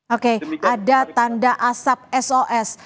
oke ada tanda asap sos